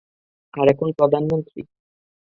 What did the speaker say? আর এখন প্রধানমন্ত্রী।